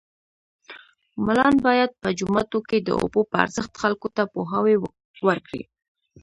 ملان باید په جوماتو کې د اوبو په ارزښت خلکو ته پوهاوی ورکړي